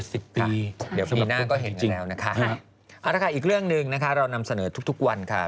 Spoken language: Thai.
เดี๋ยวมีหน้าก็เห็นกันแล้วนะคะอีกเรื่องหนึ่งนะคะเรานำเสนอทุกวันค่ะ